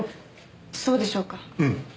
そうでしょうか？